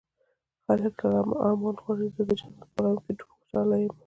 خلک له غمه امان غواړي زه د جانان په غم کې ډوب خوشاله يمه